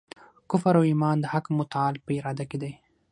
کفر او ایمان د حق متعال په اراده کي دی.